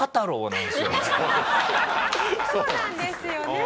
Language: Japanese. そうなんですよね。